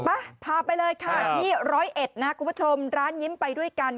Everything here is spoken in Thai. ไปพาไปเลยค่ะที่ร้อยเอ็ดนะคุณผู้ชมร้านยิ้มไปด้วยกัน